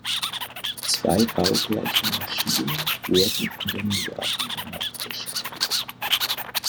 Zwei baugleiche Maschinen wurden in den Jahren danach beschafft.